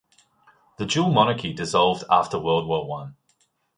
The dual monarchy dissolved after World War One.